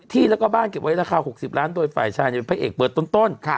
ที่แล้วก็บ้านเก็บไว้ราคา๖๐ล้านโดยฝ่ายชายเป็นพระเอกเปิดต้น